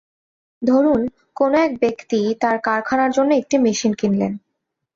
ধরুন কোন এক ব্যক্তি তার কারখানার জন্য একটি মেশিন কিনলেন।